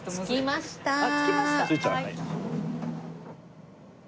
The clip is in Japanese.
着きました。